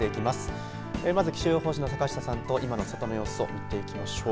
まず、気象予報士の坂下さんと今の外の様子を見ていきます。